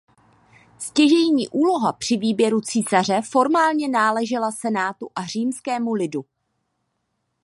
Stěžejní úloha při výběru císaře formálně náležela senátu a římskému lidu.